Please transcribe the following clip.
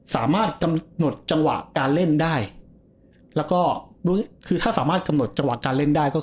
สามารถกำหนดจังหวะการเล่นได้